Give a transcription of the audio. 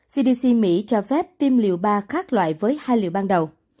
cdc mỹ cho phép tiêm liều ba khác loại với hai liệu ban đầu